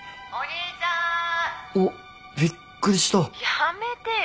やめてよ。